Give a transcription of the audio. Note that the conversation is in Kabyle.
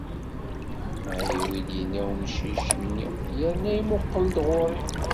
"Mεiw", i d-yenna umcic-nni yerna imuqel-d ɣur-i.